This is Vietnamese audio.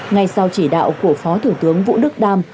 ngay sau chỉ đạo của phó thủ tướng vũ đức đam